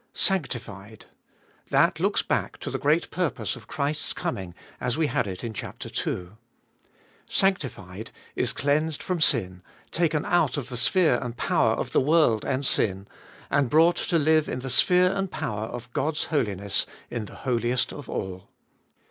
Sanctified. That looks back to the great purpose of Christ's coming, as we had it in chap. ii. Sanctified is cleansed from sin, taken out of the sphere and power of the world and sin, and brought to live in the sphere and power of God's holiness in the Holiest of All.